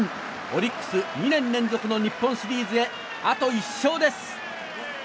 オリックス２年連続の日本シリーズへあと１勝です。